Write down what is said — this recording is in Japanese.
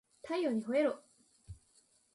太陽にほえろ